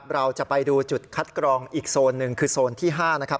เราจะไปดูจุดคัดกรองอีกโซนหนึ่งคือโซนที่๕นะครับ